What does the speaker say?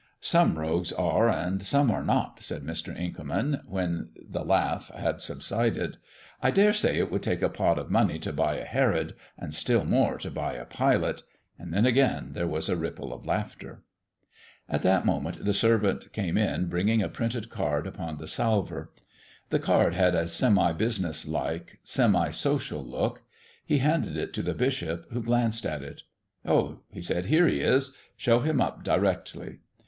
"Some rogues are and some are not," said Mr. Inkerman, when the laugh had subsided. "I dare say it would take a pot of money to buy a Herod, and still more to buy a Pilate," and then again there was a ripple of laughter. At that moment the servant came in bringing a printed card upon the salver. The card had a semibusiness like, semisocial look. He handed it to the bishop, who glanced at it. "Oh," he said, "here he is. Show him up directly."